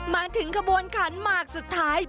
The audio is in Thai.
มาถึงขบวนขันหมากสุดท้าย